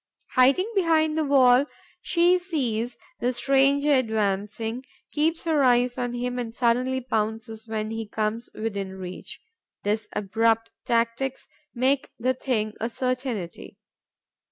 Hiding behind the wall, she sees the stranger advancing, keeps her eyes on him and suddenly pounces when he comes within reach. These abrupt tactics make the thing a certainty.